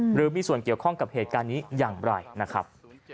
หรือมีส่วนเกี่ยวข้องกับเหตุการณ์นี้อย่างไรนะครับ